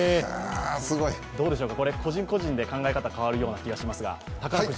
どうでしょうか、個人個人で考え方が変わるような気がしますが、宝くじ。